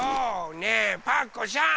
ねえパクこさん！